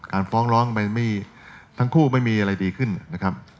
ฟ้องร้องทั้งคู่ไม่มีอะไรดีขึ้นนะครับ